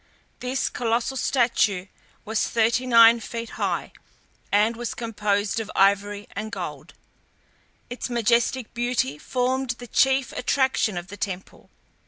This colossal statue was 39 feet high, and was composed of ivory and gold; its majestic beauty formed the chief attraction of the temple.